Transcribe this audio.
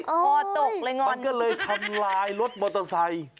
พอตกเลยไงมันก็เลยทำลายรถมอเตอร์ไซค์